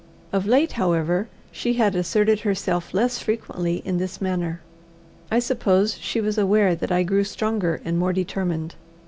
Of late, however, she had asserted herself less frequently in this manner. I suppose she was aware that I grew stronger and more determined.